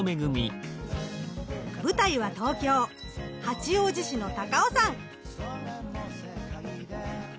舞台は東京・八王子市の高尾山。